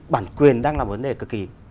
bản quyền đang là một vấn đề cực kỳ